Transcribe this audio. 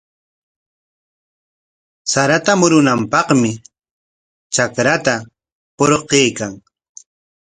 Sarata murunanpaqmi trakranta parquykan.